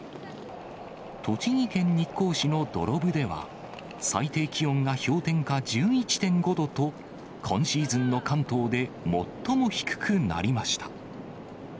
栃木県日光市の土呂部では、最低気温が氷点下１１．５度と、今シーズンの関東で最も低くなりました。